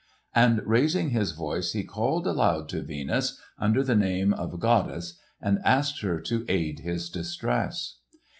And raising his voice he called aloud to Venus, under the name of goddess, and asked her to aid his distress.